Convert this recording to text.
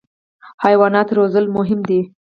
حیوانات روزل مهم دي.